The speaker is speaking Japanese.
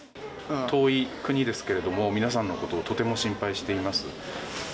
遠い国ですけれども皆さんのことをとても心配しています。